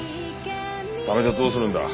貯めてどうするんだ？